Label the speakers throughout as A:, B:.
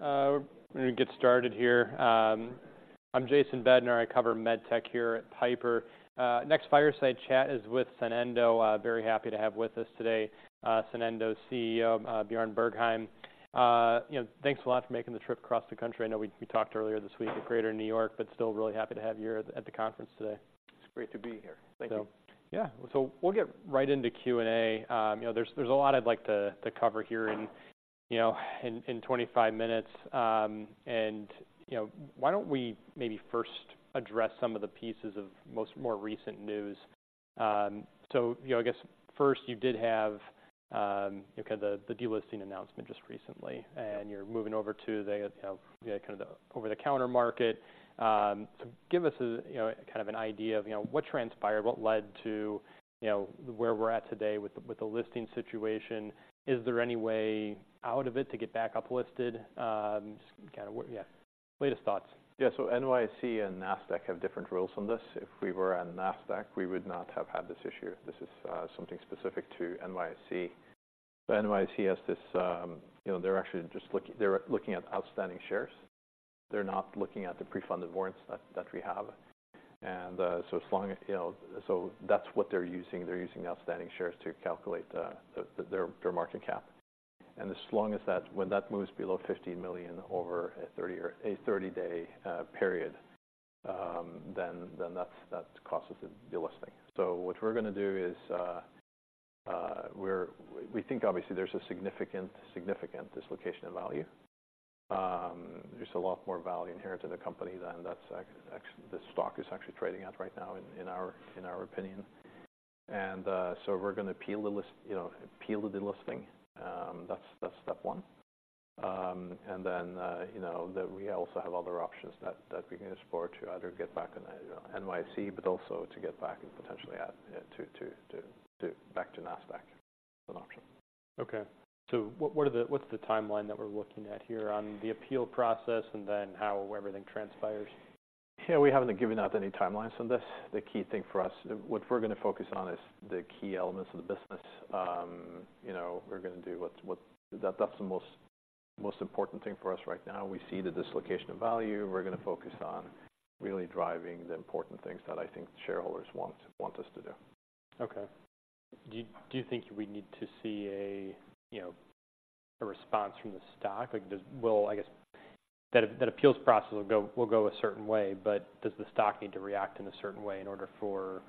A: All right, we're gonna get started here. I'm Jason Bednar. I cover MedTech here at Piper. Next Fireside Chat is with Sonendo. Very happy to have with us today, Sonendo's CEO, Bjarne Bergheim. You know, thanks a lot for making the trip across the country. I know we talked earlier this week at Greater New York, but still really happy to have you here at the conference today.
B: It's great to be here. Thank you.
A: Yeah. So we'll get right into Q&A. You know, there's a lot I'd like to cover here in, you know, 25 minutes. And you know, why don't we maybe first address some of the pieces of the most recent news? So, you know, I guess first you did have, you know, the delisting announcement just recently-
B: Yep.
A: and you're moving over to the, you know, kind of the over-the-counter market. So give us a, you know, kind of an idea of, you know, what transpired, what led to, you know, where we're at today with the, with the listing situation. Is there any way out of it to get back up listed? Just kind of what... Yeah, latest thoughts.
B: Yeah. So NYSE and Nasdaq have different rules on this. If we were on Nasdaq, we would not have had this issue. This is something specific to NYSE. So NYSE has this, you know, they're actually just looking. They're looking at outstanding shares. They're not looking at the pre-funded warrants that we have. And so as long as. You know, so that's what they're using. They're using the outstanding shares to calculate the their market cap. And as long as that, when that moves below $50 million over a 30-day period, then that's what causes the delisting. So what we're gonna do is, we think obviously there's a significant dislocation of value. There's a lot more value inherent to the company than what the stock is actually trading at right now, in our opinion. So we're gonna appeal the delisting, you know. That's step one. And then, you know, we also have other options that we can explore to either get back in the NYSE, but also to get back and potentially add to back to Nasdaq. An option.
A: Okay. So what’s the timeline that we’re looking at here on the appeal process, and then how everything transpires?
B: Yeah, we haven't given out any timelines on this. The key thing for us, what we're gonna focus on, is the key elements of the business. You know, we're gonna do what's... That's the most important thing for us right now. We see the dislocation of value. We're gonna focus on really driving the important things that I think shareholders want us to do.
A: Okay. Do you think we need to see you know, a response from the stock? Like, does... Will, I guess, that appeals process will go a certain way, but does the stock need to react in a certain way in order for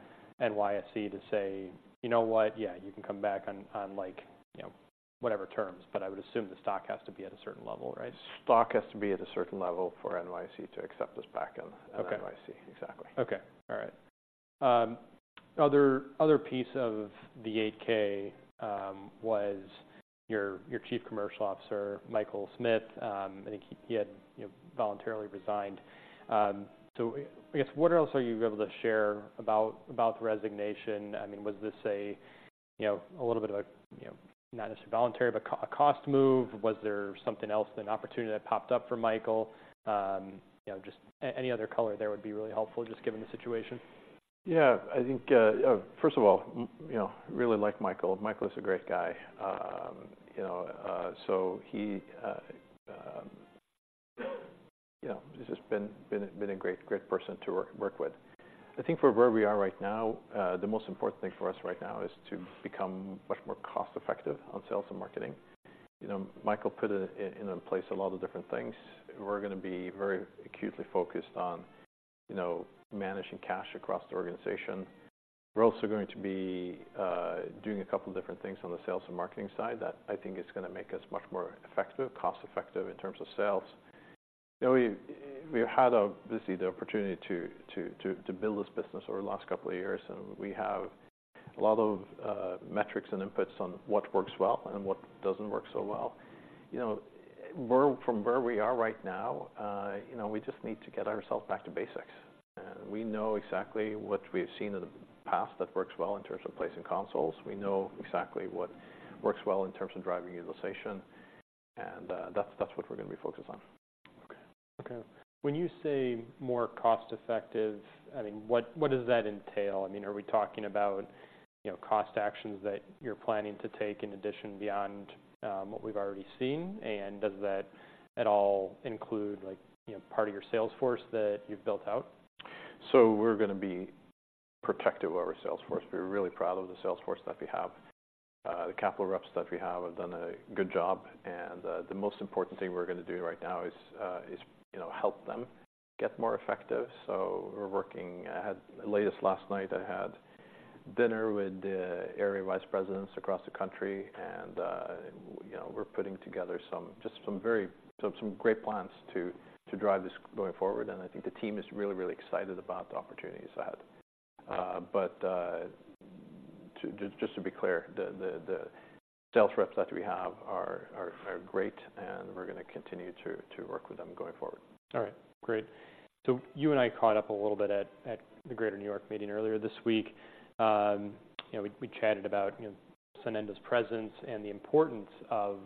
A: NYSE to say: "You know what? Yeah, you can come back on, like, you know, whatever terms." But I would assume the stock has to be at a certain level, right?
B: Stock has to be at a certain level for NYSE to accept us back in-
A: Okay.
B: - NYSE. Exactly.
A: Okay. All right. Other piece of the 8-K was your Chief Commercial Officer, Michael Smith. I think he had, you know, voluntarily resigned. So I guess, what else are you able to share about the resignation? I mean, was this a little bit of a, you know, not necessarily voluntary, but a cost move? Was there something else, an opportunity that popped up for Michael? You know, just any other color there would be really helpful, just given the situation.
B: Yeah, I think. First of all, you know, I really like Michael. Michael is a great guy. You know, so he, you know, he's just been a great person to work with. I think for where we are right now, the most important thing for us right now is to become much more cost-effective on sales and marketing. You know, Michael put in place a lot of different things. We're gonna be very acutely focused on, you know, managing cash across the organization. We're also going to be doing a couple different things on the sales and marketing side that I think is gonna make us much more effective, cost-effective in terms of sales. You know, we've had basically the opportunity to build this business over the last couple of years, and we have a lot of metrics and inputs on what works well and what doesn't work so well. You know, from where we are right now, you know, we just need to get ourselves back to basics. And we know exactly what we've seen in the past that works well in terms of placing consoles. We know exactly what works well in terms of driving utilization, and that's what we're gonna be focused on.
A: Okay. Okay. When you say more cost-effective, I mean, what, what does that entail? I mean, are we talking about, you know, cost actions that you're planning to take in addition beyond what we've already seen? Does that at all include, like, you know, part of your sales force that you've built out?
B: So we're gonna be protective of our sales force. We're really proud of the sales force that we have. The capital reps that we have have done a good job, and the most important thing we're gonna do right now is, you know, help them get more effective. So we're working... Last night, I had dinner with the area vice presidents across the country, and you know, we're putting together some very great plans to drive this going forward. And I think the team is really, really excited about the opportunities ahead. But to... Just to be clear, the sales reps that we have are great, and we're gonna continue to work with them going forward.
A: All right. Great. So you and I caught up a little bit at the Greater New York meeting earlier this week. You know, we chatted about, you know, Sonendo's presence and the importance of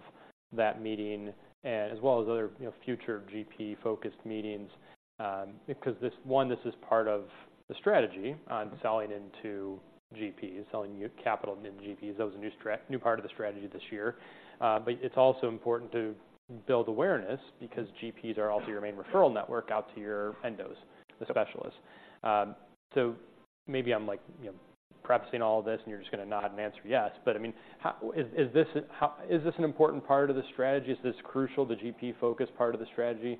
A: that meeting and as well as other, you know, future GP-focused meetings, because this is part of the strategy on selling into GPs, selling new capital into GPs. That was a new part of the strategy this year. But it's also important to build awareness because GPs are also your main referral network out to your endos, the specialists. So maybe I'm like, you know, prefacing all of this, and you're just gonna nod and answer yes, but I mean, how is this an important part of the strategy? Is this crucial, the GP-focused part of the strategy,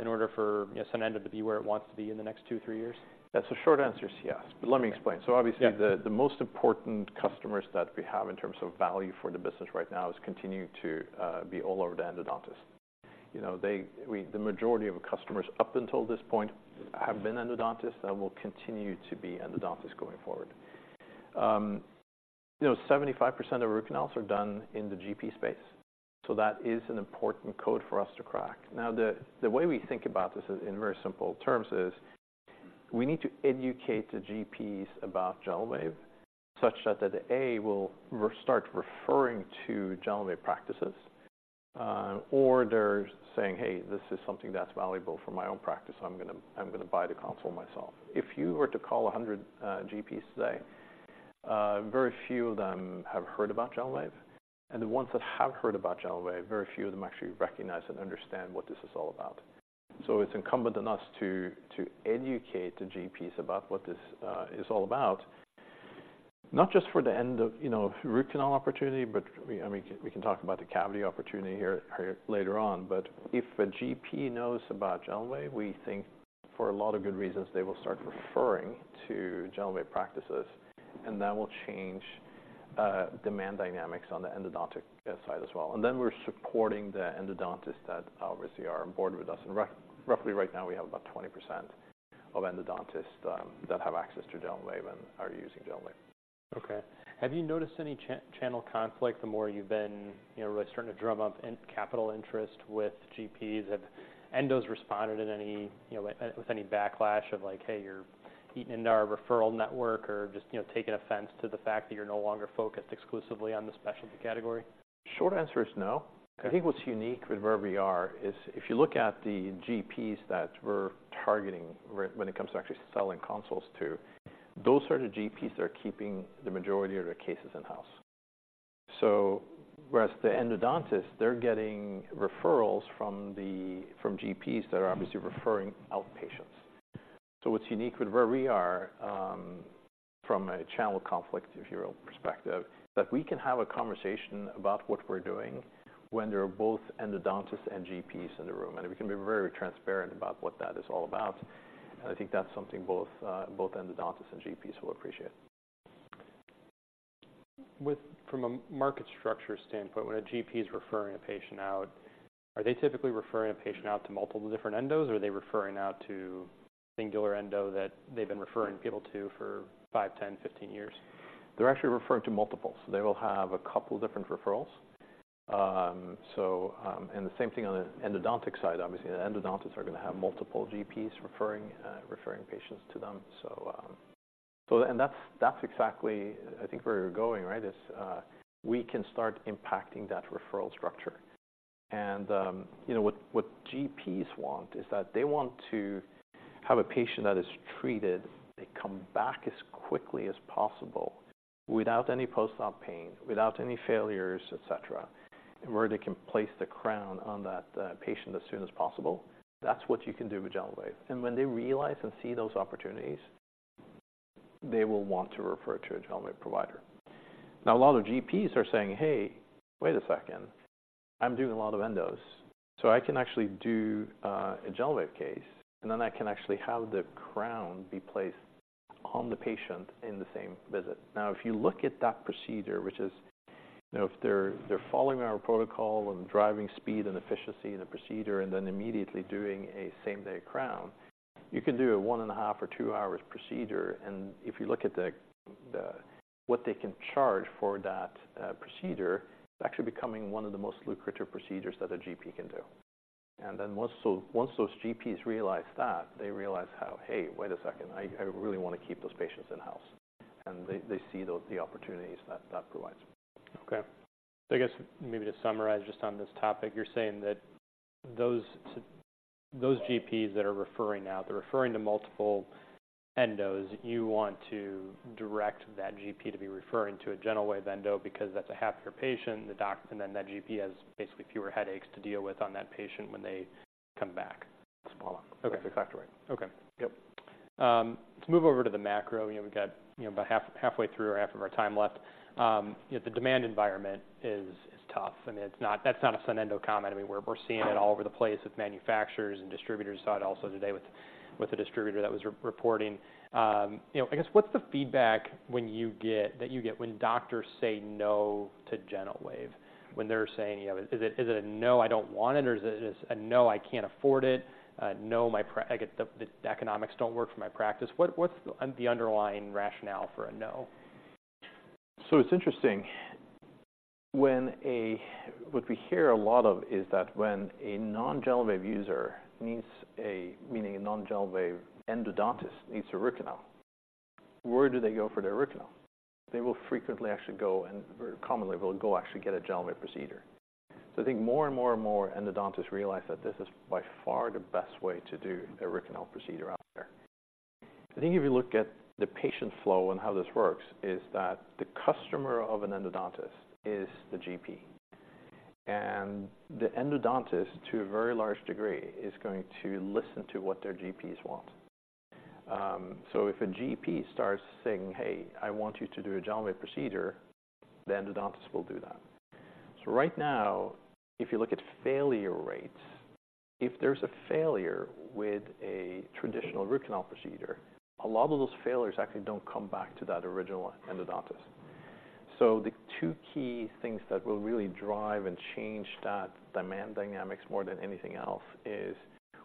A: in order for, you know, Sonendo to be where it wants to be in the next two, three years?
B: Yeah. So short answer is yes, but let me explain.
A: Yeah.
B: So obviously, the most important customers that we have in terms of value for the business right now is continuing to be all over the endodontist. You know, we the majority of customers up until this point have been endodontist and will continue to be endodontist going forward. You know, 75% of root canals are done in the GP space, so that is an important code for us to crack. Now, the way we think about this is, in very simple terms, is we need to educate the GPs about GentleWave, such that a, will restart referring to GentleWave practices, or they're saying, "Hey, this is something that's valuable for my own practice. I'm gonna, I'm gonna buy the console myself." If you were to call 100 GPs today, very few of them have heard about GentleWave, and the ones that have heard about GentleWave, very few of them actually recognize and understand what this is all about. So it's incumbent on us to educate the GPs about what this is all about, not just for the end of, you know, root canal opportunity, but we—I mean, we can talk about the cavity opportunity here later on. But if a GP knows about GentleWave, we think for a lot of good reasons, they will start referring to GentleWave practices, and that will change demand dynamics on the endodontic side as well. We're supporting the endodontists that obviously are on board with us, and roughly right now, we have about 20% of endodontists that have access to GentleWave and are using GentleWave.
A: Okay. Have you noticed any channel conflict the more you've been, you know, really starting to drum up in capital interest with GPs? Have endos responded in any, you know, with any backlash of like, "Hey, you're eating into our referral network," or just, you know, taking offense to the fact that you're no longer focused exclusively on the specialty category?
B: Short answer is no.
A: Okay.
B: I think what's unique with where we are is if you look at the GPs that we're targeting when it comes to actually selling consoles to, those are the GPs that are keeping the majority of the cases in-house. So whereas the endodontist, they're getting referrals from GPs that are obviously referring outpatients. So what's unique with where we are, from a channel conflict, from a perspective, that we can have a conversation about what we're doing when there are both endodontist and GPs in the room, and we can be very transparent about what that is all about. And I think that's something both endodontists and GPs will appreciate.
A: From a market structure standpoint, when a GP is referring a patient out, are they typically referring a patient out to multiple different endos, or are they referring out to singular endo that they've been referring people to for five, 10, 15 years?
B: They're actually referring to multiples. They will have a couple different referrals. And the same thing on the endodontic side, obviously, the endodontists are gonna have multiple GPs referring patients to them. So that's exactly, I think, where we're going, right? We can start impacting that referral structure. And you know, what GPs want is that they want to have a patient that is treated, they come back as quickly as possible without any post-op pain, without any failures, etc., and where they can place the crown on that patient as soon as possible. That's what you can do with GentleWave. And when they realize and see those opportunities, they will want to refer to a GentleWave provider. Now, a lot of GPs are saying, "Hey, wait a second, I'm doing a lot of endos, so I can actually do a GentleWave case, and then I can actually have the crown be placed on the patient in the same visit." Now, if you look at that procedure, which is, you know, if they're following our protocol and driving speed and efficiency in the procedure, and then immediately doing a same-day crown, you can do a 1.5- or two-hour procedure. And if you look at the what they can charge for that procedure, it's actually becoming one of the most lucrative procedures that a GP can do. And then once, so once those GPs realize that, they realize, "How? Hey, wait a second, I really want to keep those patients in-house." And they see those opportunities that provides.
A: Okay. I guess maybe to summarize just on this topic, you're saying that those GPs that are referring out, they're referring to multiple endos, you want to direct that GP to be referring to a GentleWave endo because that's a happier patient, the doc, and then that GP has basically fewer headaches to deal with on that patient when they come back?
B: Follow up.
A: Okay.
B: Exactly.
A: Okay, yep. Let's move over to the macro. You know, we've got, you know, about half, halfway through or half of our time left. Yet the demand environment is tough, and it's not-- that's not a Sonendo comment. I mean, we're seeing it all over the place with manufacturers and distributors side. Also today with the distributor that was reporting. You know, I guess, what's the feedback when you get that you get when doctors say no to GentleWave? When they're saying, you know, is it a, "No, I don't want it," or is it a, "No, I can't afford it," "No, my practice," I guess, "the economics don't work for my practice." What's the underlying rationale for a no?
B: So it's interesting. What we hear a lot of is that when a non-GentleWave user, meaning a non-GentleWave endodontist, needs a root canal, where do they go for their root canal? They will frequently actually go, and very commonly will go actually get a GentleWave procedure. So I think more and more and more endodontists realize that this is by far the best way to do a root canal procedure out there. I think if you look at the patient flow and how this works, is that the customer of an endodontist is the GP. And the endodontist, to a very large degree, is going to listen to what their GPs want. So if a GP starts saying, "Hey, I want you to do a GentleWave procedure," the endodontist will do that. So right now, if you look at failure rates, if there's a failure with a traditional root canal procedure, a lot of those failures actually don't come back to that original endodontist. So the two key things that will really drive and change that demand dynamics more than anything else is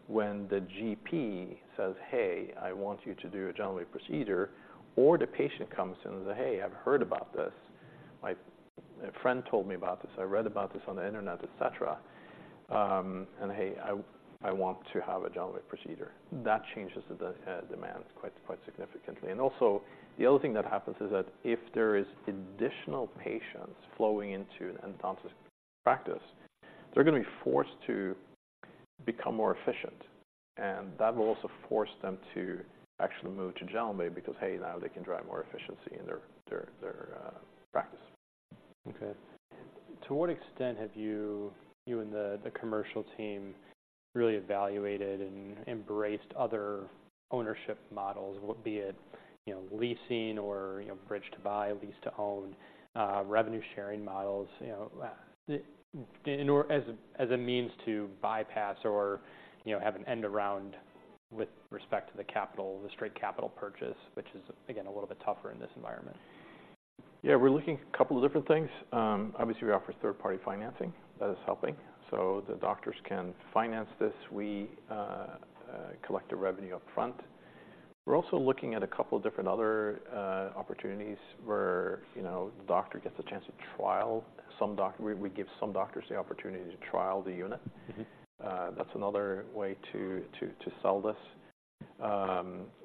B: when the GP says, "Hey, I want you to do a GentleWave procedure," or the patient comes in and say, "Hey, I've heard about this. My friend told me about this, I read about this on the internet," et cetera, "and, hey, I want to have a GentleWave procedure." That changes the demand quite, quite significantly. Also, the other thing that happens is that if there is additional patients flowing into an endodontist practice, they're gonna be forced to become more efficient, and that will also force them to actually move to GentleWave because, hey, now they can drive more efficiency in their practice.
A: Okay. To what extent have you, you and the, the commercial team, really evaluated and embraced other ownership models, be it, you know, leasing or, you know, bridge to buy, lease to own, revenue sharing models, you know, in or as, as a means to bypass or, you know, have an end around with respect to the capital, the straight capital purchase, which is, again, a little bit tougher in this environment?
B: Yeah, we're looking at a couple of different things. Obviously, we offer third-party financing. That is helping. So the doctors can finance this. We collect the revenue upfront. We're also looking at a couple of different other opportunities where, you know, the doctor gets a chance to trial. We give some doctors the opportunity to trial the unit.
A: Mm-hmm.
B: That's another way to sell this.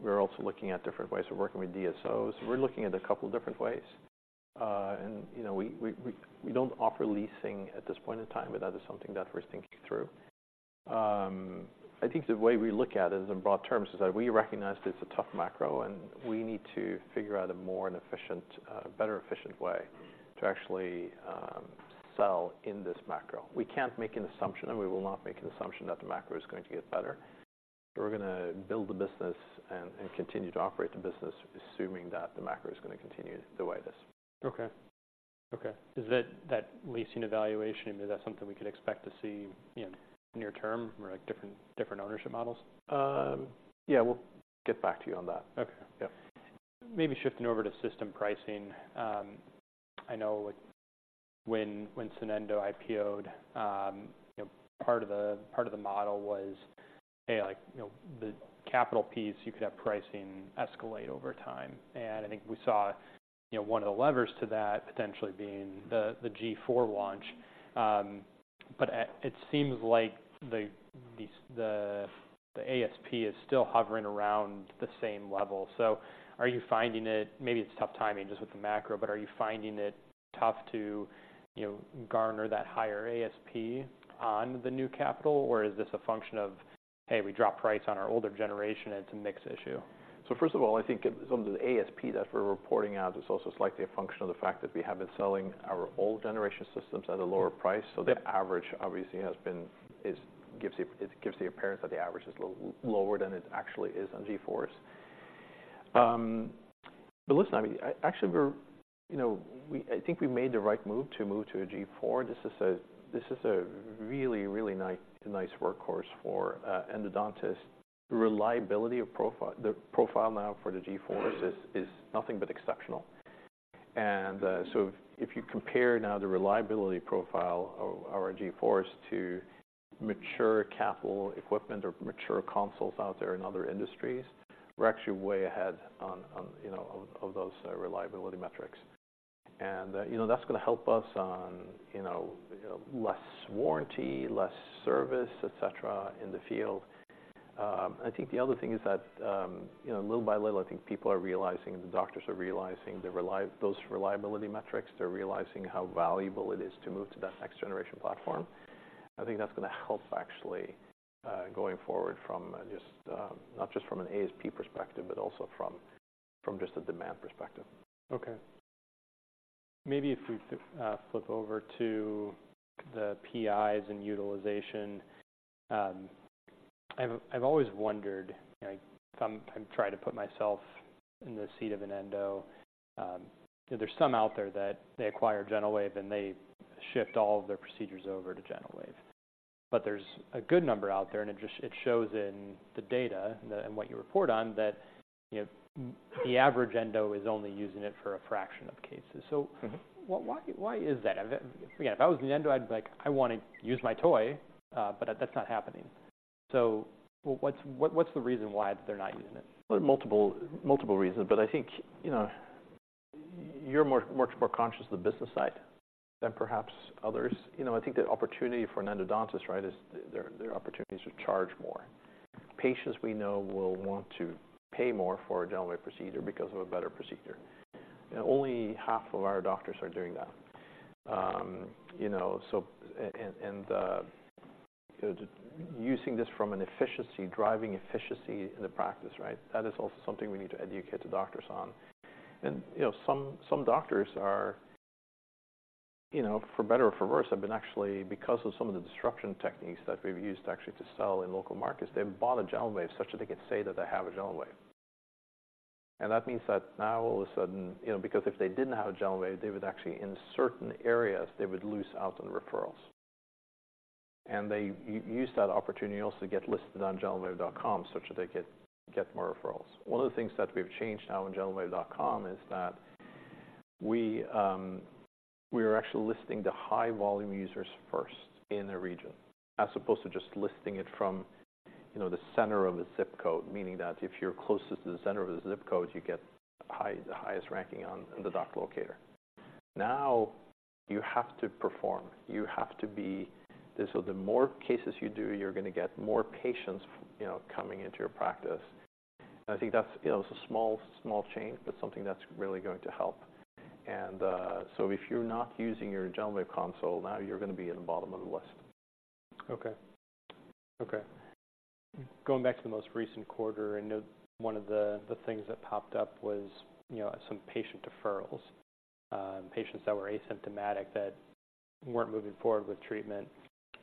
B: We're also looking at different ways of working with DSOs. We're looking at a couple different ways. And, you know, we don't offer leasing at this point in time, but that is something that we're thinking through. I think the way we look at it in broad terms is that we recognize it's a tough macro, and we need to figure out a more efficient way to actually sell in this macro. We can't make an assumption, and we will not make an assumption that the macro is going to get better. We're gonna build the business and continue to operate the business, assuming that the macro is gonna continue the way it is.
A: Okay. Okay. Is that, that leasing evaluation, is that something we could expect to see in near term or, like, different, different ownership models?
B: Yeah, we'll get back to you on that.
A: Okay.
B: Yeah.
A: Maybe shifting over to system pricing. I know, like, when, when Sonendo IPO, you know, part of the, part of the model was, hey, like, you know, the capital piece, you could have pricing escalate over time. And I think we saw, you know, one of the levers to that potentially being the, the G4 launch. But it seems like the ASP is still hovering around the same level. So are you finding it... Maybe it's tough timing just with the macro, but are you finding it tough to, you know, garner that higher ASP on the new capital? Or is this a function of, "Hey, we dropped price on our older generation, and it's a mix issue?
B: So first of all, I think some of the ASP that we're reporting out is also slightly a function of the fact that we have been selling our old generation systems at a lower price. So the average, obviously, has been, it gives the appearance that the average is lower than it actually is on G4s. But listen, I mean, actually, we're, you know, I think we made the right move to move to a G4. This is a really nice workhorse for endodontists. Reliability profile, the profile now for the G4s is nothing but exceptional. And so if you compare now the reliability profile of our G4s to mature capital equipment or mature consoles out there in other industries, we're actually way ahead on, you know, on those reliability metrics. You know, that's gonna help us on, you know, less warranty, less service, et cetera, in the field. I think the other thing is that, you know, little by little, I think people are realizing the reliability metrics. They're realizing how valuable it is to move to that next generation platform. I think that's gonna help actually, going forward from just, not just from an ASP perspective, but also from just a demand perspective.
A: Okay. Maybe if we flip over to the PIs and utilization. I've always wondered, like, I'm trying to put myself in the seat of an endo. There's some out there that they acquire GentleWave, and they shift all of their procedures over to GentleWave. But there's a good number out there, and it just shows in the data and what you report on, that, you know, the average endo is only using it for a fraction of the cases.
B: Mm-hmm.
A: So why, why is that? Again, if I was the endo, I'd be like: "I want to use my toy," but that's not happening. So what's the reason why they're not using it?
B: Well, multiple, multiple reasons, but I think, you know. You're more, much more conscious of the business side than perhaps others. You know, I think the opportunity for an endodontist, right, is their, their opportunity is to charge more. Patients we know will want to pay more for a GentleWave procedure because of a better procedure, and only half of our doctors are doing that. You know, so and, and, the using this from an efficiency, driving efficiency in the practice, right? That is also something we need to educate the doctors on. And, you know, some, some doctors are, you know, for better or for worse, have been actually, because of some of the disruption techniques that we've used actually to sell in local markets, they've bought a GentleWave, such that they can say that they have a GentleWave. And that means that now all of a sudden, you know, because if they didn't have a GentleWave, they would actually, in certain areas, they would lose out on referrals. And they use that opportunity also to get listed on GentleWave.com, such that they get more referrals. One of the things that we've changed now in GentleWave.com is that we are actually listing the high volume users first in a region, as opposed to just listing it from, you know, the center of a ZIP code. Meaning that if you're closest to the center of a ZIP code, you get the highest ranking on the doc locator. Now, you have to perform, you have to be. So the more cases you do, you're gonna get more patients, you know, coming into your practice. I think that's, you know, it's a small, small change, but something that's really going to help. So if you're not using your GentleWave console, now you're gonna be in the bottom of the list.
A: Okay. Okay. Going back to the most recent quarter, I know one of the things that popped up was, you know, some patient deferrals. Patients that were asymptomatic, that weren't moving forward with treatment,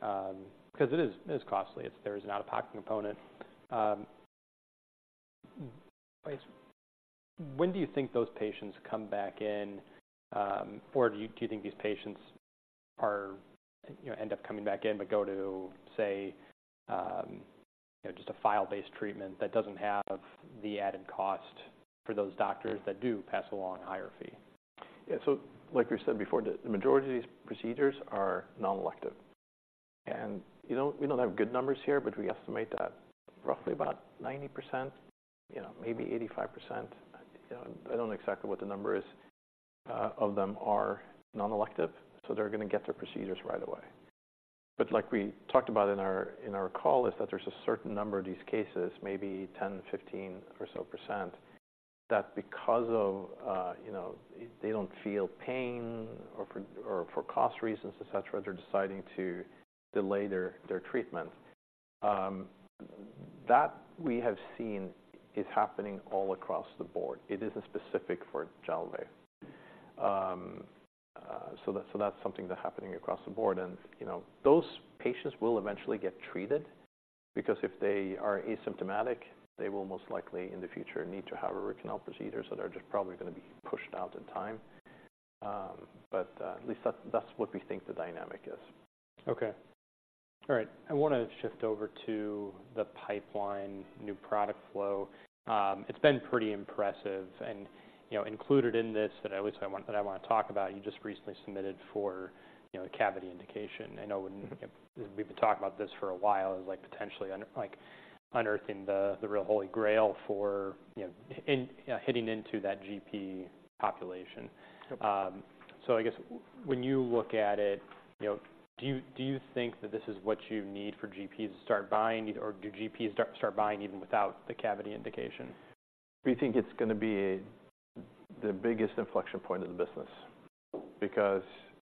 A: 'cause it is, it is costly. It's there is an out-of-pocket component. When do you think those patients come back in, or do you, do you think these patients are, you know, end up coming back in, but go to, say, you know, just a file-based treatment that doesn't have the added cost for those doctors that do pass along a higher fee?
B: Yeah. So like we said before, the majority of these procedures are non-elective. And, you know, we don't have good numbers here, but we estimate that roughly about 90%, you know, maybe 85%, I don't know exactly what the number is, of them are non-elective, so they're gonna get their procedures right away. But like we talked about in our, in our call, is that there's a certain number of these cases, maybe 10%, 15% or so percent, that because of, you know, they don't feel pain, or for, or for cost reasons, et cetera, they're deciding to delay their, their treatment. That we have seen is happening all across the board. It isn't specific for GentleWave. That's something that's happening across the board and, you know, those patients will eventually get treated, because if they are asymptomatic, they will most likely, in the future, need to have a root canal procedure, so they're just probably gonna be pushed out in time. That's what we think the dynamic is.
A: Okay. All right. I wanna shift over to the pipeline, new product flow. It's been pretty impressive, and, you know, included in this, at least I wanna talk about. You just recently submitted for, you know, a cavity indication. I know we've been talking about this for a while as, like, potentially like unearthing the real holy grail for, you know, hitting into that GP population.
B: Yep.
A: So, I guess when you look at it, you know, do you think that this is what you need for GPs to start buying, or do GPs start buying even without the cavity indication?
B: We think it's gonna be the biggest inflection point of the business. Because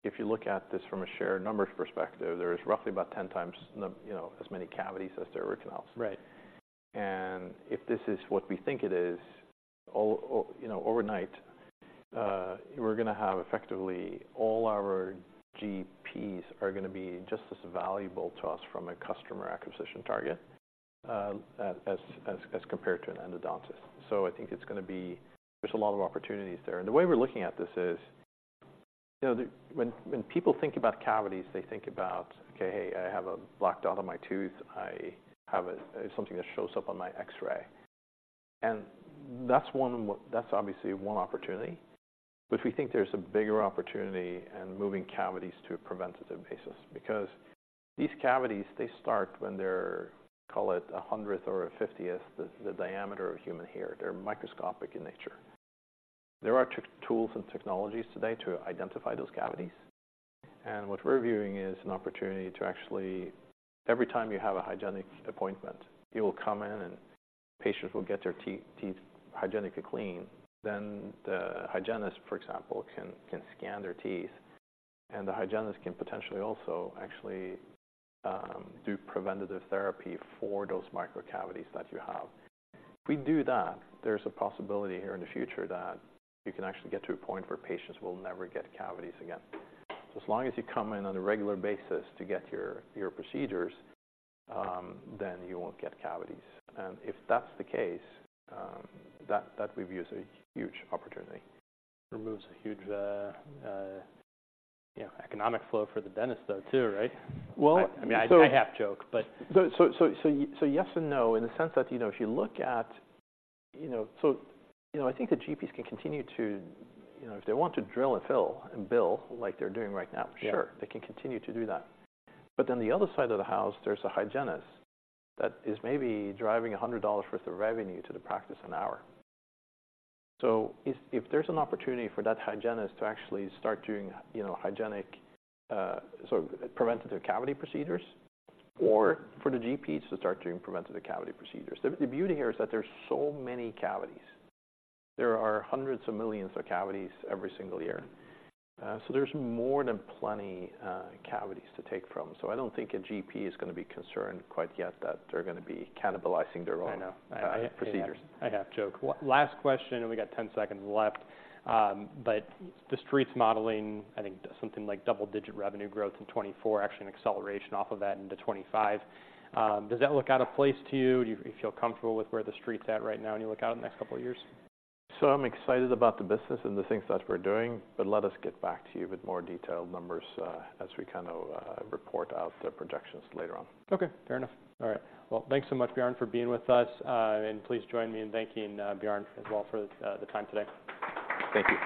B: if you look at this from a shared numbers perspective, there is roughly about 10 times you know, as many cavities as there are root canals.
A: Right.
B: And if this is what we think it is, all you know, overnight, we're gonna have effectively all our GPs are gonna be just as valuable to us from a customer acquisition target, as compared to an endodontist. So I think it's gonna be. There's a lot of opportunities there. And the way we're looking at this is, you know, when people think about cavities, they think about, "Okay, hey, I have a black dot on my tooth. I have something that shows up on my X-ray." And that's one, that's obviously one opportunity. But we think there's a bigger opportunity in moving cavities to a preventative basis, because these cavities, they start when they're, call it, a hundredth or a fiftieth the diameter of a human hair. They're microscopic in nature. There are tools and technologies today to identify those cavities, and what we're viewing is an opportunity to actually every time you have a hygienic appointment, you will come in and patients will get their teeth hygienically clean. Then the hygienist, for example, can scan their teeth, and the hygienist can potentially also actually do preventative therapy for those micro cavities that you have. If we do that, there's a possibility here in the future that you can actually get to a point where patients will never get cavities again. So as long as you come in on a regular basis to get your procedures, then you won't get cavities. And if that's the case, that we view as a huge opportunity.
A: Removes a huge, you know, economic flow for the dentist, though, too, right?
B: Well, I mean, so-
A: I half joke, but-
B: So, yes and no, in the sense that, you know, if you look at... You know, so, you know, I think the GPs can continue to, you know, if they want to drill and fill and bill, like they're doing right now-
A: Yeah...
B: sure, they can continue to do that. But then the other side of the house, there's a hygienist that is maybe driving $100 worth of revenue to the practice an hour. So if there's an opportunity for that hygienist to actually start doing, you know, hygienic sort of preventative cavity procedures, or for the GPs to start doing preventative cavity procedures. The beauty here is that there's so many cavities. There are hundreds of millions of cavities every single year.
A: Mm-hmm.
B: So there's more than plenty, cavities to take from. So I don't think a GP is gonna be concerned quite yet that they're gonna be cannibalizing their own-
A: I know...
B: procedures.
A: I half joke. Well, last question, and we got 10 seconds left. But the Street's modeling, I think something like double-digit revenue growth in 2024, actually an acceleration off of that into 2025. Does that look out of place to you? Do you feel comfortable with where the Street's at right now, when you look out the next couple of years?
B: I'm excited about the business and the things that we're doing, but let us get back to you with more detailed numbers, as we kind of report out the projections later on.
A: Okay, fair enough. All right. Well, thanks so much, Bjarne, for being with us. Please join me in thanking Bjarne as well for the time today.
B: Thank you.